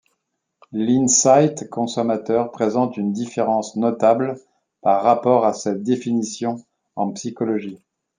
L'insight consommateur présente une différence notable par rapport à sa définition en psychologie.